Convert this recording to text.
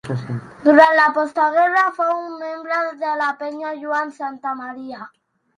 Durant la postguerra fou membre de la Penya Joan Santamaria.